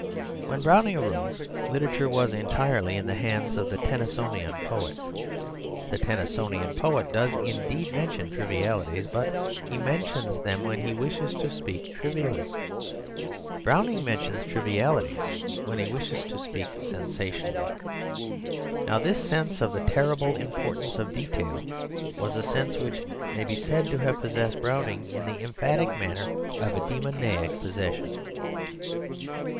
When Browning arose, literature was entirely in the hands of the Tennysonian poet. The Tennysonian poet does indeed mention trivialities, but he mentions them when he wishes to speak trivially; Browning mentions trivialities when he wishes to speak sensationally. Now this sense of the terrible importance of detail was a sense which may be said to have possessed Browning in the emphatic manner of a demoniac possession.